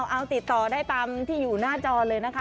เอาติดต่อได้ตามที่อยู่หน้าจอเลยนะคะ